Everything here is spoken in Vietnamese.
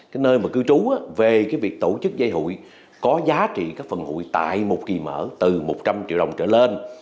cái nơi mà cư trú về cái việc tổ chức dây hụi có giá trị các phần hụi tại một kỳ mở từ một trăm linh triệu đồng trở lên